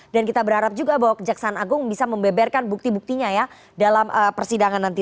dan kita berharap juga bahwa kejaksaan agung bisa membeberkan bukti buktinya ya dalam persidangan nanti